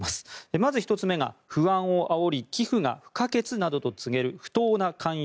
まず１つ目が、不安をあおり寄付が不可欠などと告げる不当な勧誘